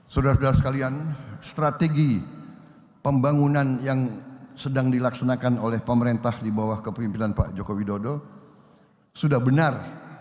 saudara saudara sekalian strategi pembangunan yang sedang dilaksanakan oleh pemerintah di bawah kepemimpinan pak joko widodo sudah benar